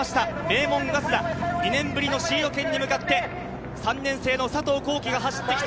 名門早稲田、２年ぶりのシード権に向かって３年生の佐藤航希が走ってきた。